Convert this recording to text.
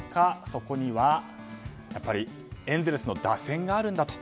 そこにはやっぱりエンゼルスの打線があるんだと。